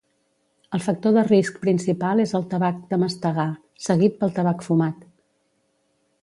El factor de risc principal és el tabac de mastegar, seguit pel tabac fumat.